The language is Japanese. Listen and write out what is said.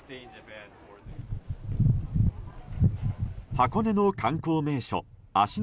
箱根の観光名所芦ノ